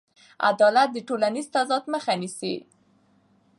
عدالت د ټولنیز تضاد مخه نیسي.